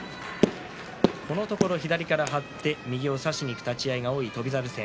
このところ左から張って右を差しにいく立ち合いが多い翔猿戦。